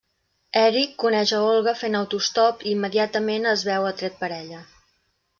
Eric coneix a Olga fent autoestop i immediatament es veu atret per ella.